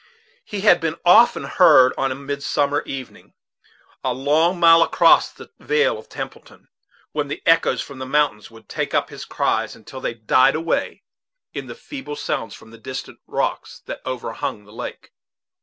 He had been often heard, on a mild summer' evening, a long mile across the vale of Templeton; when the echoes from the mountains would take up his cries, until they died away in the feeble sounds from the distant rocks that overhung the lake.